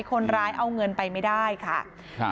คนร้ายเอาเงินไปไม่ได้ค่ะครับ